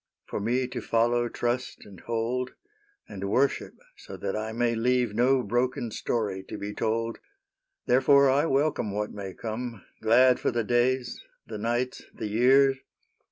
For me to follow, trust, and hold : SAINTE NITOUCHE 1 5 3 And worship, so that I may leave No broken story to be told. '' Therefore I welcome what may come, Glad for the days, the nights, the years."